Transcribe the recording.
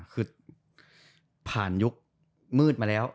คือผ่านยุคมืดมาแล้ว